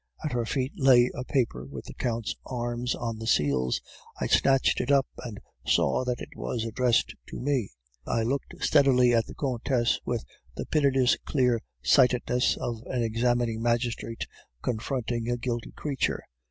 At her feet lay a paper with the Count's arms on the seals; I snatched it up, and saw that it was addressed to me. I looked steadily at the Countess with the pitiless clear sightedness of an examining magistrate confronting a guilty creature.